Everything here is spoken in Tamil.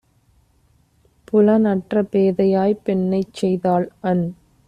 புலன் அற்றபேதையாய்ப் பெண்ணைச்செய் தால்அந்